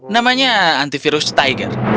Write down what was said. namanya antivirus tiger